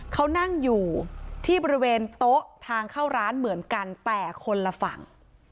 เขานั่งอยู่ที่บริเวณโต๊ะทางเข้าร้านเหมือนกันแต่คนละฝั่ง